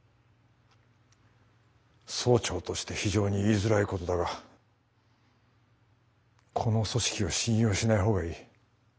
総長として非常に言いづらいことだがこの組織を信用しない方がいい。